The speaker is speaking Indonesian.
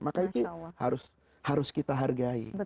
maka itu harus kita hargai